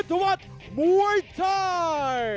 คนนี้มาจากอำเภออูทองจังหวัดสุภัณฑ์บุรีนะครับ